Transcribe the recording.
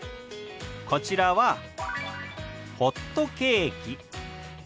こちらは「ホットケーキ」。